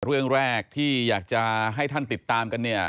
เรื่องแรกที่อยากจะให้ท่านติดตามกันเนี่ย